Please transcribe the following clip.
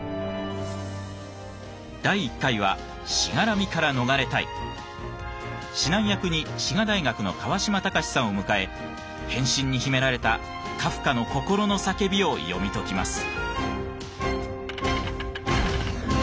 第１回は指南役に滋賀大学の川島隆さんを迎え「変身」に秘められたカフカの心の叫びを読み解きます。